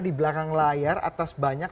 di belakang layar atas banyak